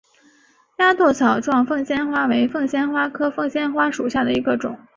鸭跖草状凤仙花为凤仙花科凤仙花属下的一个种。